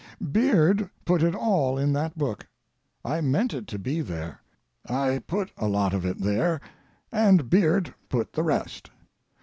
Beard put it all in that book. I meant it to be there. I put a lot of it there and Beard put the rest.